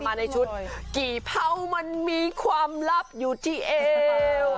มาในชุดกี่เผามันมีความลับอยู่ที่เอว